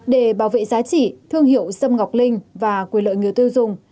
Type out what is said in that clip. để bảo vệ giá trị thương hiệu sâm ngọc linh và quyền lợi người tiêu dùng